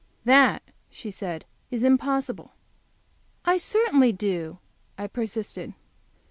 "That," she said, "is impossible." "I certainly do," I persisted.